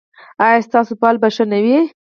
ایا ستاسو فال به ښه نه وي؟